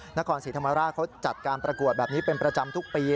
นครศรีธรรมราชเขาจัดการประกวดแบบนี้เป็นประจำทุกปี